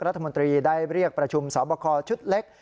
รัฐมนตรีได้เรียกประชุมสอบคอชุดเล็ก